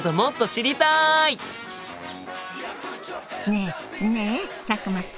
ねえねえ佐久間さん。